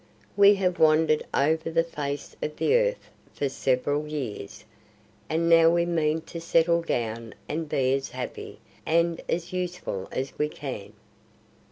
We have wandered over the face of the earth for several years, and now we mean to settle down and be as happy and as useful as we can."